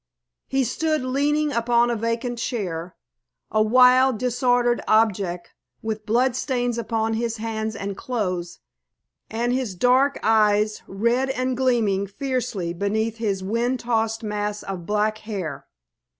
He stood leaning upon a vacant chair, a wild, disordered object, with blood stains upon his hands and clothes, and his dark eyes red and gleaming fiercely beneath his wind tossed mass of black hair.